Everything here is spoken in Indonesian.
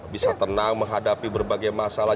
bisa tenang menghadapi berbagai masalah